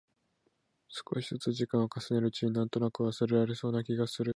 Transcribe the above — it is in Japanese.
少しづつ時間を重ねるうちに、なんとなく忘れられそうな気がする。